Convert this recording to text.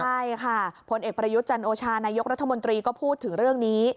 ใช่ค่ะพลเอกประยุทธ์จันโอชานายกรัฐมนตรีก็พูดถึงเรื่องนี้